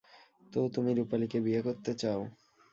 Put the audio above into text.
তো, তুমি রুপালিকে বিয়ে করতে চাও?